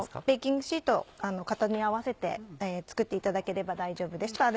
ベーキングシートを型に合わせて作っていただければ大丈夫です。